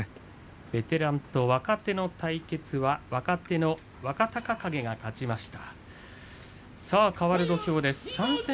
ベテランと若手の対戦は若手の若隆景が勝ちました。